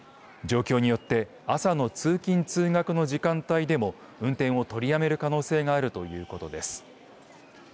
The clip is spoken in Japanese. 状況によって朝の通勤、通学の時間帯でも運転を取りやめる可能性があるということです。